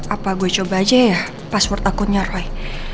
apa gue coba aja ya password takutnya roy